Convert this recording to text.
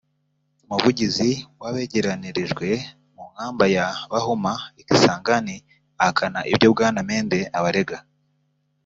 umuvugizi w’abegeranirijwe mu nkamba ya Bahuma I Kisangani ahakana ibyo Bwana Mende abarega